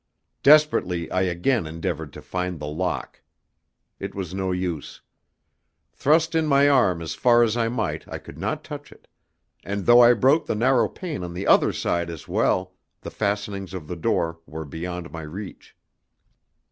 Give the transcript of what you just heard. Desperately I again endeavoured to find the lock. It was no use. Thrust in my arm as far as I might I could not touch it, and though I broke the narrow pane on the other side as well, the fastenings of the door were beyond my reach.